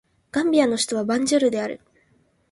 ガンビアの首都はバンジュールである